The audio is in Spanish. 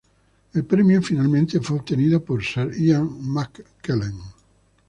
El premio, finalmente, fue obtenido por Sir Ian McKellen.